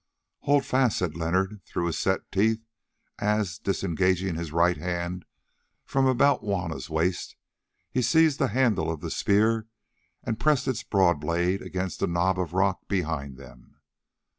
"Hold fast," said Leonard through his set teeth, as, disengaging his right hand from about Juanna's waist, he seized the handle of the spear and pressed its broad blade against a knob of rock behind them.